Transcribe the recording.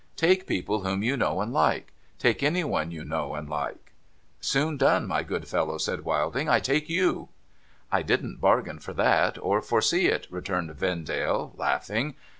Take people whom you know and like. Take any one you know and like.' ' Soon done, my good fellow,' said Wilding. ' I take you.' * I didn't bargain for that, or foresee it,' returned Vendale, laughing.